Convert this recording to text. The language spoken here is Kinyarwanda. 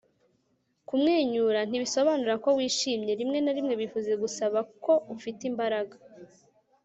kumwenyura ntibisobanura ko wishimye. rimwe na rimwe bivuze gusa ko ufite imbaraga